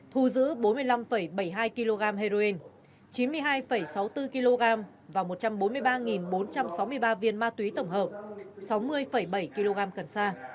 thu giữ bốn mươi năm bảy mươi hai kg heroin chín mươi hai sáu mươi bốn kg và một trăm bốn mươi ba bốn trăm sáu mươi ba viên ma túy tổng hợp sáu mươi bảy kg cần sa